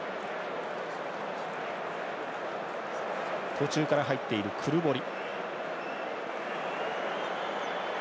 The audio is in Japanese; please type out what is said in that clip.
途中から入っているクルボリ。